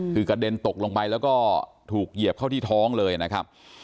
คือกระเด็นตกลงไปแล้วก็ถูกเหยียบเข้าที่ท้องเลยนะครับ